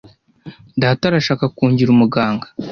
Data arashaka kungira umuganga.